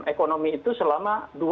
ekonomi itu selama dua tiga